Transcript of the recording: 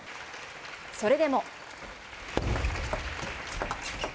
それでも。